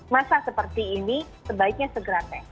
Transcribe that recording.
masa seperti ini sebaiknya segera tes